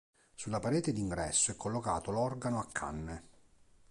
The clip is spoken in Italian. Sulla parete d'ingresso è collocato l'organo a canne.